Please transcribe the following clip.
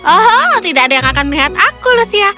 oh tidak ada yang akan melihat aku lucia